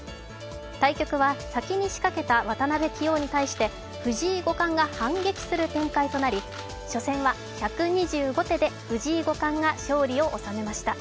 対局は先に仕掛けた渡辺棋王に対して藤井五冠が反撃する展開となり初戦は１２５手で藤井五冠が勝利を収めました。